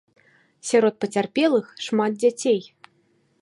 Сярод пацярпелых шмат дзяцей.